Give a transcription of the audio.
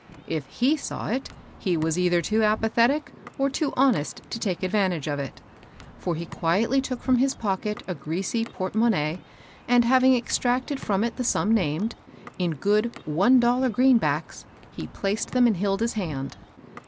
If he saw it, he was either too apathetic, or too honest to take ad vantage of it, for he quietly took from his pocket a greasy portmonnaie, and having extracted from it the sum named, in good one dollar greenbacks^ he placed them in Hilda's hand.